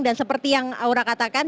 dan seperti yang aura katakan